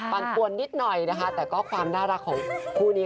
ปันปวนนิดหน่อยนะคะแต่ก็ความน่ารักของคู่นี้